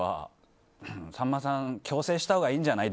さんまさん、矯正したほうがいいんじゃない？